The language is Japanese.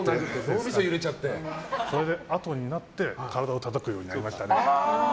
それであとになって体をたたくようになりました。